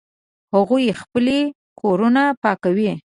هغوی خپلې کورونه پاکوي